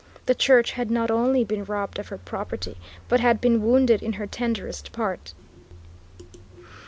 The Church had not only been robbed of her property but had been wounded in her tenderest part.